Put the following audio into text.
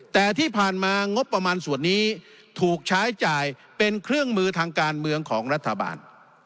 แต่ที่ผ่านมางบประมาณส่วนนี้ถูกใช้จ่ายเป็นเครื่องมือทางการเมืองของรัฐบาล